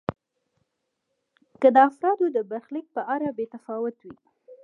که د افرادو د برخلیک په اړه بې تفاوت وي.